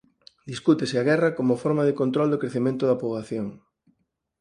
Discútese a guerra como forma de control do crecemento da poboación.